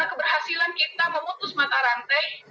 keberhasilan kita memutus mata rantai